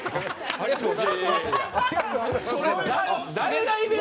「ありがとうございます」やない。